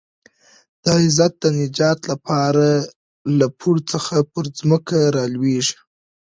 د عزت د نجات لپاره له پوړ څخه پر ځمکه رالوېږي.